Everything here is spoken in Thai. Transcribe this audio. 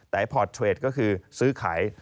แต่ไอพอร์ตเทรดก็คือซื้อขาย